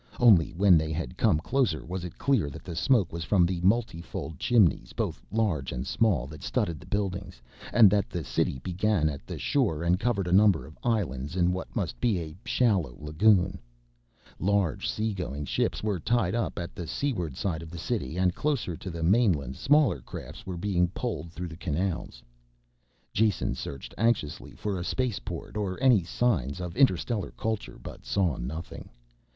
Only when they had come closer was it clear that the smoke was from the multifold chimneys, both large and small, that studded the buildings, and that the city began at the shore and covered a number of islands in what must be a shallow lagoon. Large sea going ships were tied up at the seaward side of the city and closer to the mainland smaller craft were being poled through the canals. Jason searched anxiously for a spaceport or any signs of interstellar culture but saw nothing.